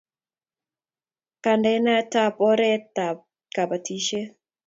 kandenaet ap oretap kapisishet